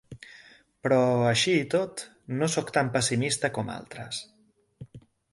Però, així i tot, no sóc tan pessimista com altres.